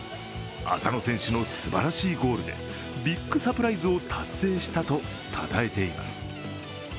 浅野選手のすばらしいゴールでビッグサプライズを達成したとたたえています。